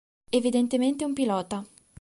Evidentemente un pilota.